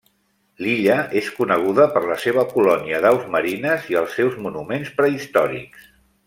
L'illa és coneguda per la seva colònia d'aus marines i els seus monuments prehistòrics.